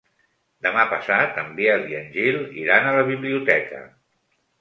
Demà passat en Biel i en Gil iran a la biblioteca.